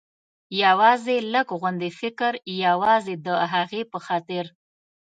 یوازې لږ غوندې فکر، یوازې د هغې په خاطر.